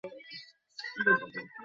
তাহলে ওটা মন থেকে বলোনি?